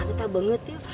neta banget ya